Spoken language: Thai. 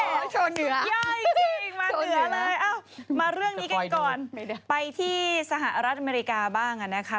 นี่เยอะจริงมาเหนือเลยอ้าวมาเรื่องนี้กันก่อนไปที่สหรัฐอเมริกาบ้างนะคะ